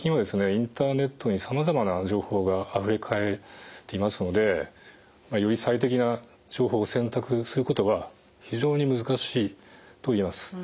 インターネットにさまざまな情報があふれ返っていますのでより最適な情報を選択することは非常に難しいと言えます。